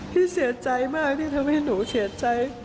พี่เสียใจมากที่ทำให้หนูเสียใจ